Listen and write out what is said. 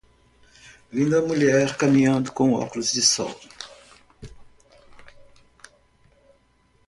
Linda mulher caminhando com óculos de sol.